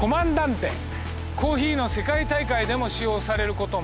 「コーヒーの世界大会でも使用されることもあり」